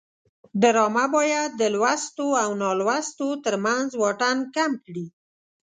ډرامه باید د لوستو او نالوستو ترمنځ واټن کم کړي